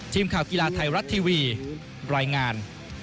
ทีมข่าวกีฬาไทยรัฐทีวีรายงาน